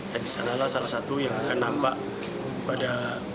dan disanalah salah satu yang akan nampak pada